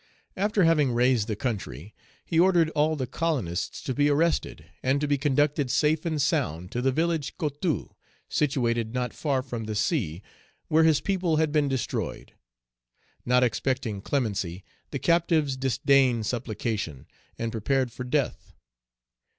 After having raised the country, he ordered all the colonists to be arrested, and to be conducted safe and sound to the village Coteaux, situate not far from the sea, where his people had been destroyed. Not expecting clemency, the captives disdained supplication and prepared for death.